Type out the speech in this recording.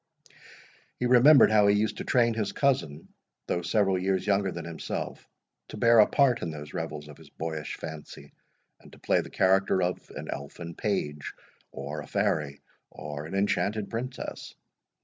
He remembered how he used to train his cousin, though several years younger than himself, to bear a part in those revels of his boyish fancy, and to play the character of an elfin page, or a fairy, or an enchanted princess.